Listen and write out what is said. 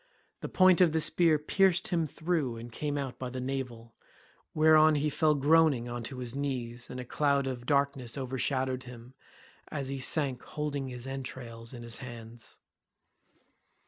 The point of the spear pierced him through and came out by the navel, whereon he fell groaning on to his knees and a cloud of darkness overshadowed him as he sank holding his entrails in his hands.